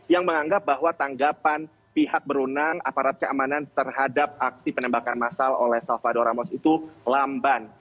yang menganggap bahwa tanggapan pihak berunang aparat keamanan terhadap aksi penembakan masal oleh salvado ramos itu lamban